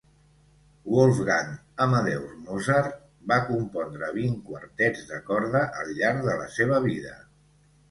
Wolfgang Amadeus Mozart va compondre vint quartets de corda al llarg de la seva vida.